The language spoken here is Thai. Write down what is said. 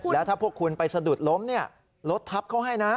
แล้วถ้าพวกคุณไปสะดุดล้มรถทับเขาให้นะ